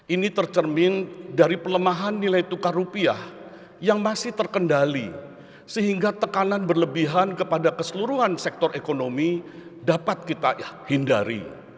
ini tercermin dari pelemahan nilai tukar rupiah yang masih terkendali sehingga tekanan berlebihan kepada keseluruhan sektor ekonomi dapat kita hindari